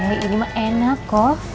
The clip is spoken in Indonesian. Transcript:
ini mah enak kok